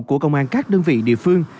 của công an các đơn vị địa phương